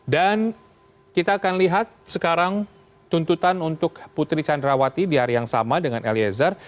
dan kita akan lihat sekarang tuntutan untuk putri candrawati di hari yang sama dengan eliezer